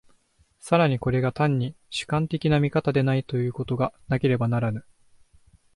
更にこれが単に主観的な見方でないということがなければならぬ。